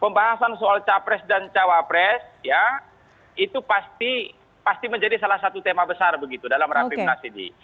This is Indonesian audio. pembahasan soal capres dan cawapres ya itu pasti menjadi salah satu tema besar begitu dalam rapimnas ini